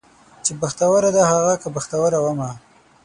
چې بختوره ده هغه که بختوره ومه